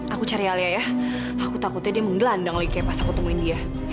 aku cari alia ya aku takutnya dia menggelandang lagi kayak pas aku temuin dia